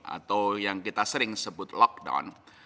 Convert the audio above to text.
atau yang kita sering sebut lockdown